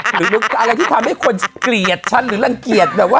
หรืออะไรที่ความไม่ควรเกลียดฉันหรือลังเกียจ